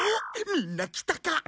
みんな来たか。